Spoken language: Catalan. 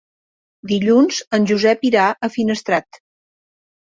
Dilluns en Josep irà a Finestrat.